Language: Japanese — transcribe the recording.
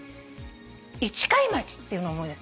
市貝町っていうのを思い出す。